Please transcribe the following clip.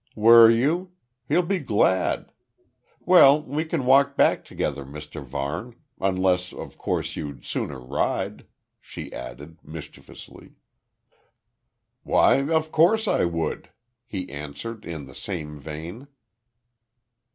"Were you? He'll be glad. Well, we can walk back together, Mr Varne unless, of course, you'd sooner ride," she added, mischievously. "Why of course I would," he answered, in the same vein.